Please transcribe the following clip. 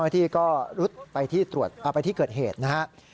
ที่ก็รุดไปที่ตรวจเอาไปที่เกิดเหตุนะครับ